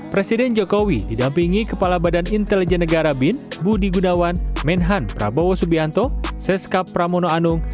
presiden jokowi didampingi kepala badan intelijen negara bin budi gunawan menhan prabowo subianto seskap pramono anung